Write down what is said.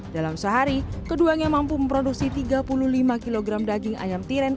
dalam sehari keduanya mampu memproduksi tiga puluh lima kg daging ayam tiren